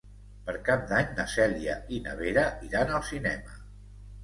Per Cap d'Any na Cèlia i na Vera iran al cinema.